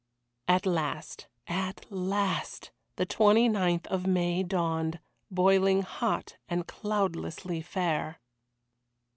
At last, at last, the 29th of May dawned, boiling hot and cloudlessly fair.